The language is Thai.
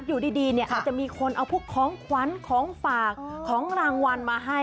อยู่ดีเนี่ยอาจจะมีคนเอาพวกของขวัญของฝากของรางวัลมาให้